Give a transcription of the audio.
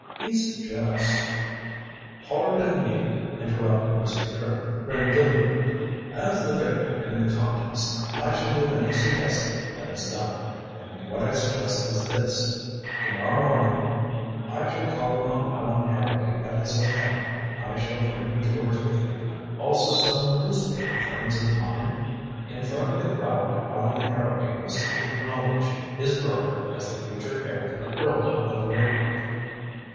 He suggests " "Pardon me," interrupted Mr. Trimmer grandiloquently. "As the victor in the contest, I shall do any suggesting that is done. And what I suggest is this to morrow morning I shall call upon Allan Harrowby at his hotel. I shall bring George with me, also some newspaper friends of mine. In front of the crowd Allan Harrowby must acknowledge his brother as the future heir to the earldom of Raybrook."